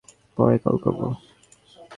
পরে কল করবো।